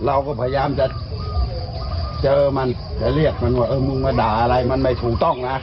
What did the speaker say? เราก็พยายามจะเจอมันจะเรียกมันว่าเออมึงมาด่าอะไรมันไม่ถูกต้องนะ